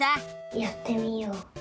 やってみよう。